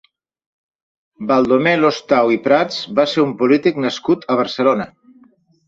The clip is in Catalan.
Baldomer Lostau i Prats va ser un polític nascut a Barcelona.